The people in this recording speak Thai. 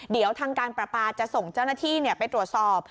เดี๋ยวทางการประปาจะส่งเจ้าหน้าที่ไปตรวจสอบ